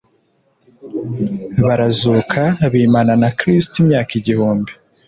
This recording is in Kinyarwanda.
Barazuka bimana na Kristo imyaka igihumbi.